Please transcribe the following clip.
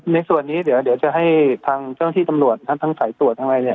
ในส่วนนี้เดี๋ยวจะให้ทางเจ้าที่ตำรวจทั้งสายตรวจทั้งอะไรเนี่ย